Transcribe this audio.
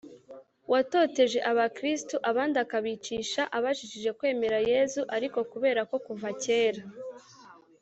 watoteje abakristu, abandi akabicisha abajijije kwemera yezu, ariko kubera ko kuva kera